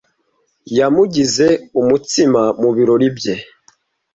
Yamugize umutsima mu birori bye.